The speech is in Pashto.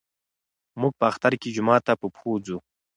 موږ په اختر کې جومات ته په پښو ځو.